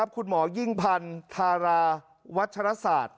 คุณหมอยิ่งพันธ์ธาราวัชรศาสตร์